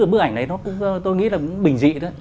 bức ảnh này tôi nghĩ là bình dị